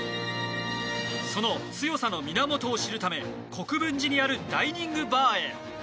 その強さの源を知るため国分寺にあるダイニングバーへ。